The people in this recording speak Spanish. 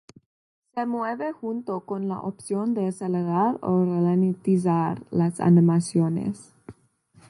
Se mueve junto con la opción de acelerar o ralentizar las animaciones.